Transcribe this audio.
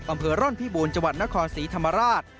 บำเผอร่อนพิบูลจนครศรีธรรมราช